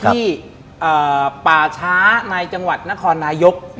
ป่าช้าในจังหวัดนครนายก